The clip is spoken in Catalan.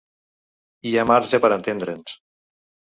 Hi ha marge per entendre’ns.